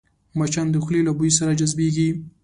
مچان د خولې له بوی سره جذبېږي